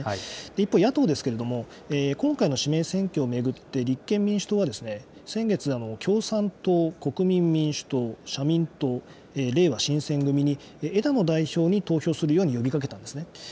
一方、野党ですけれども、今回の指名選挙を巡って、立憲民主党は、先月、共産党、国民民主党、社民党、れいわ新選組に、枝野代表に投票するように呼びかけたんですね。